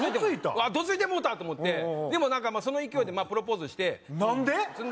わあどついてもうたと思ってでもその勢いでプロポーズしてなんで？